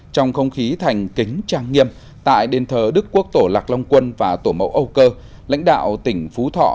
trong không khí thành kính trang nghiêm tại đền thờ đức quốc tổ lạc long quân và tổ mẫu âu cơ